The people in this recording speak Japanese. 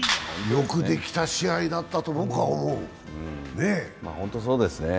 よくできた試合だったと、僕は思う本当そうですね。